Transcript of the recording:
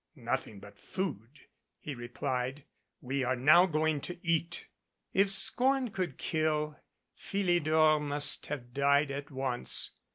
"Nothing but food," he replied. "We are now going to eat." If scorn could kill, Philidor must have died at once.